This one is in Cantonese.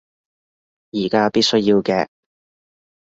而家必須要嘅